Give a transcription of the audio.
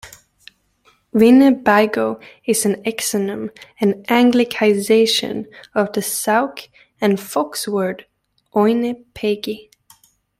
"Winnebago" is an exonym, an Anglicization of the Sauk and Fox word "Oinepegi".